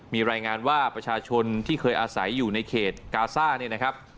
มีรายงานว่าประชาชนที่เคยอาศัยอยู่ในเขตกาซ่าเนี่ยนะครับ